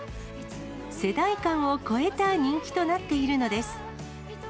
世代間を超えた人気となっているのです。